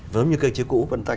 giống như cơ chế cũ